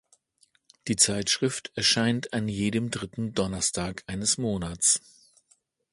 Die Zeitschrift erscheint an jedem dritten Donnerstag eines Monats.